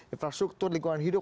infrastruktur lingkungan hidup